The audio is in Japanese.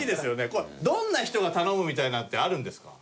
これどんな人が頼むみたいなのってあるんですか？